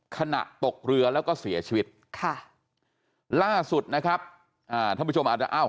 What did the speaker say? ขณะตกเรือแล้วก็เสียชีวิตล่าสุดนะครับท่านผู้ชม